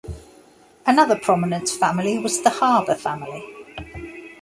Another prominent family was the Harber family.